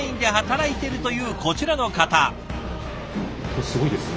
これすごいですね。